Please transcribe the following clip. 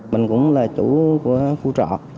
mình cũng là chủ của khu trọ